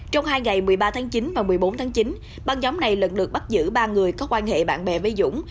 trong hai ngày một mươi ba tháng chín và một mươi bốn tháng chín băng nhóm này lận lượt bắt giữ ba người có quan hệ bạn bè với dũng